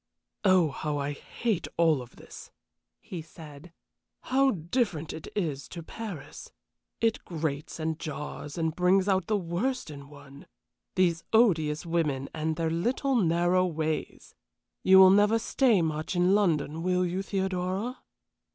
"Oh, how I hate all this!" he said. "How different it is to Paris! It grates and jars and brings out the worst in one. These odious women and their little, narrow ways! You will never stay much in London will you, Theodora?"